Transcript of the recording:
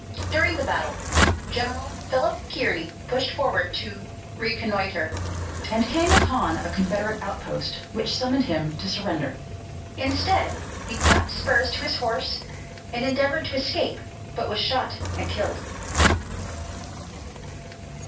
During the battle, General Philip Kearny pushed forward to reconnoitre and came upon a Confederate outpost which summoned him to surrender. Instead, he clapped spurs to his horse and endeavored to escape, but was shot and killed.